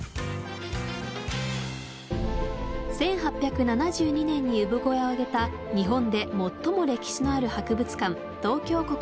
１８７２年に産声をあげた日本で最も歴史のある博物館東京国立博物館。